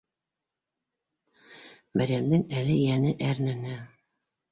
Мәрйәмдең әле йәне әрнене